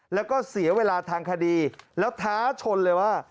แล้วก็เสียเวลาทางคดีแล้วท้าชนเลยว่า